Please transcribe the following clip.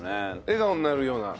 笑顔になるような花ね。